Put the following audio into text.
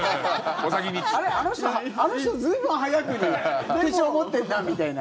あれ、あの人、随分早くに手帳持ってんなみたいな。